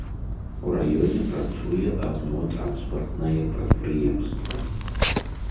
У раёне працуе адно транспартнае прадпрыемства.